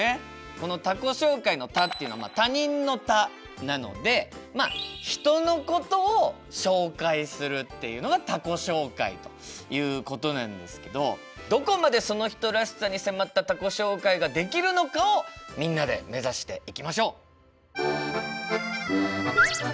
この「他己紹介」の「他」っていうのは「他人」の「他」なのでまあ人のことを紹介するっていうのが他己紹介ということなんですけどどこまでその人らしさに迫った他己紹介ができるのかをみんなで目指していきましょう！